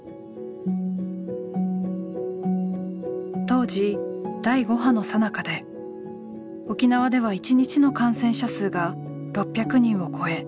当時第５波のさなかで沖縄では１日の感染者数が６００人を超え過去最多。